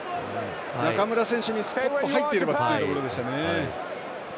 中村選手に入っていればというところでしたね。